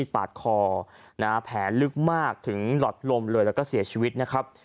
ปาดคอนะฮะแผลลึกมากถึงหลอดลมเลยแล้วก็เสียชีวิตนะครับ